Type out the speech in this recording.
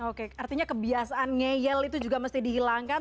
oke artinya kebiasaan ngeyel itu juga mesti dihilangkan